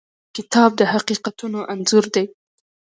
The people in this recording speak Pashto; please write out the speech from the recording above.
کتاب د حقیقتونو انځور دی.